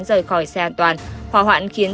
rời khỏi xe an toàn hỏa hoạn khiến